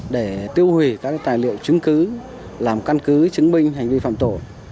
để tiêu hủy các tài liệu chứng cứ làm căn cứ chứng minh hành vi phạm tội